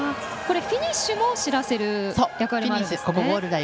フィニッシュも知らせる役割があるんですね。